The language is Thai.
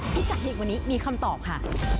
พิกัดเฮ่งวันนี้มีคำตอบค่ะ